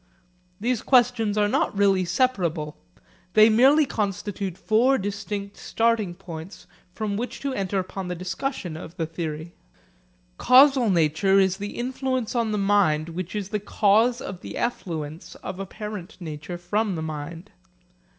These questions are not really separable. They merely constitute four distinct starting points from which to enter upon the discussion of the theory. Causal nature is the influence on the mind which is the cause of the effluence of apparent nature from the mind.